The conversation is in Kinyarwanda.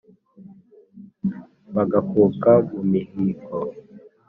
Bagakuka mu mihigo,